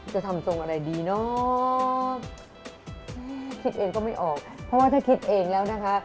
จะทำทรงอะไรดีเนาะคิดเองก็ไม่ออกเพราะว่าถ้าคิดเองแล้วนะคะ